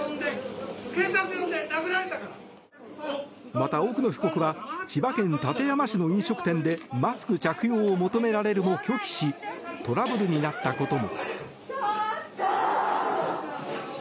また、奥野被告は千葉県館山市の飲食店でマスク着用を求められるも拒否しトラブルになったことも。